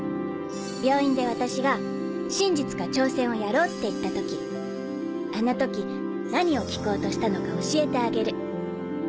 病院で私が真実か挑戦をやろうって言った時あの時何を聞こうとしたのか教えてあげる。